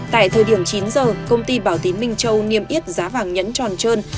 tại thời điểm chín giờ công ty bảo tín minh châu niêm yết giá vàng nhẫn tròn trơn